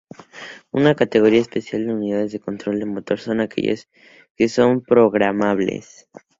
Una categoría especial de unidades de control de motor son aquellas que son programables.